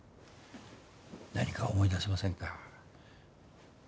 何か思い出せませんか？